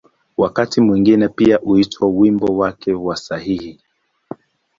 Wakati mwingine pia huitwa ‘’wimbo wake wa sahihi’’.